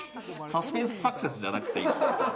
サスペンスサクセスじゃなくて。